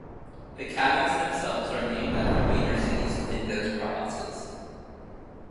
The cabins themselves are named after major cities within those provinces.